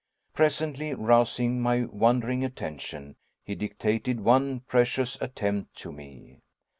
Presently, rousing my wandering attention, he dictated one precious attempt to me.